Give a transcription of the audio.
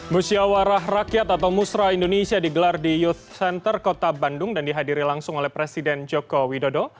musyawarah rakyat atau musrah indonesia digelar di youth center kota bandung dan dihadiri langsung oleh presiden joko widodo